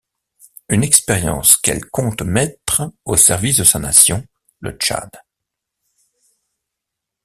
Une expérience qu'elle compte mettre au service de sa nation, le Tchad.